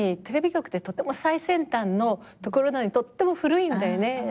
テレビ局ってとても最先端のところなのにとっても古いんだよね。